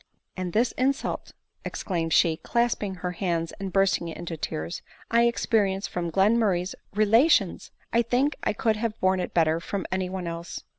" And this insult," exclaimed she, clasping her hands and bursting into tears, " I experience from Glenmurray's relations ! I think 1 could have borne it better from any one else."